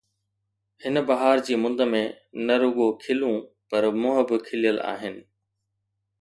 هن بهار جي مند ۾، نه رڳو کلون، پر منهن به کليل آهن.